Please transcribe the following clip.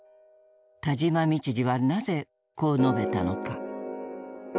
田島道治はなぜこう述べたのか。